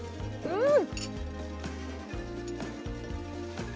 うん！